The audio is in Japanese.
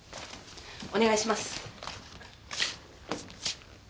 お願いします。